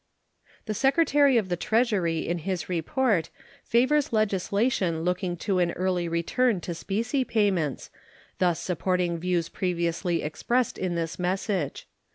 The Secretary of the Treasury in his report favors legislation looking to an early return to specie payments, thus supporting views previously expressed in this message.